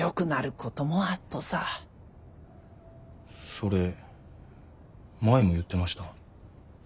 それ舞も言うてました。